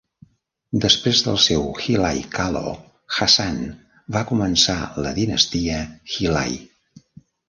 Després del seu Hilai Kalo Hassan va començar la dinastia Hilai.